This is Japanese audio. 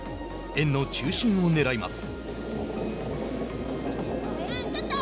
円の中心を狙います。